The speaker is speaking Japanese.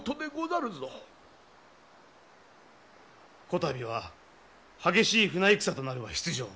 こたびは激しい船戦となるは必定。